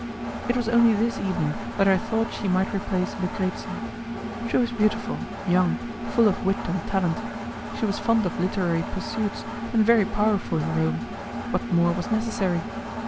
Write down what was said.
It was only this evening that I thought she might replace Lucrezia. She was beautiful, young, full of wit and talent; she was fond of literary pursuits, and very powerful in Rome; what more was necessary?